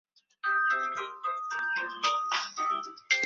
现在典藏于日本水户市的彰考馆德川博物馆。